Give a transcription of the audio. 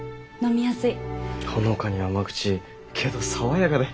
ほのかに甘口けど爽やかで。